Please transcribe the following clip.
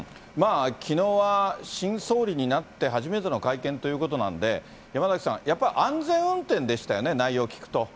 きのうは、新総理になって初めての会見ということなんで、山崎さん、やっぱり安全運転でしたよね、内容聞くと。